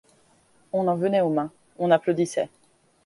On en venait aux mains, on applaudissait.